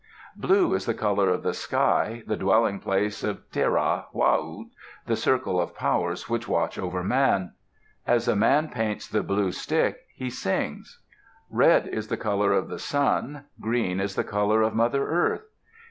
Blue is the color of the sky, the dwelling place of Tira´ wahut, the circle of powers which watch over man. As a man paints the blue stick he sings. Red is the color of the sun. Green is the color of Mother Earth.